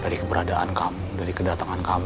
dari keberadaan kamu dari kedatangan kami